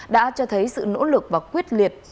đã cho thấy sự nỗ lực và quyết liệt